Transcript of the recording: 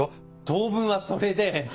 当分はそれで。